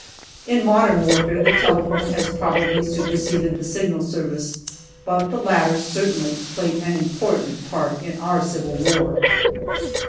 In modern warfare the telephone has probably superseded the Signal Service, but the latter certainly played an important part in our Civil War.